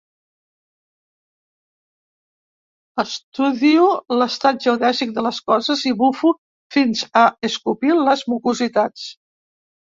Estudio l'estat geodèsic de les coses i bufo fins a escopir les mucositats.